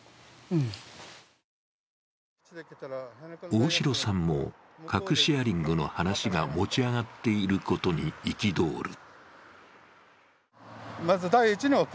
大城さんも核シェアリングの話が持ち上がっていることに憤る。